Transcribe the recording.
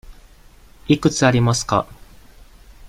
いくつありますか。